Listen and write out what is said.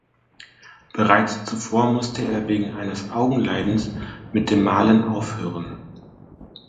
Bereits zuvor musste er wegen eines Augenleidens mit dem Malen aufhören.